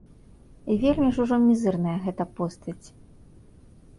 Вельмі ж ужо мізэрная гэтая постаць.